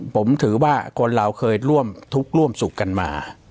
ผมถือว่าคนเราเคยร่วมทุกข์ร่วมสุขกันมา